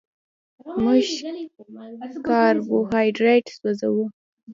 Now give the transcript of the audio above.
موږ کاربوهایډریټ سوځوو